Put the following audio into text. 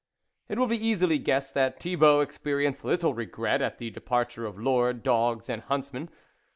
It will be easily guessed that Thibault experienced little regret at the depart ure of lord, dogs, and huntsmen.